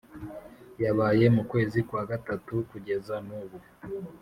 yabaye mu kwezi kwa gatatu kugeza nubu